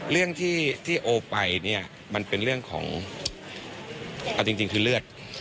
เรื่องที่โอไปเนี่ยมันเป็นเรื่องของเอาจริงคือเลือด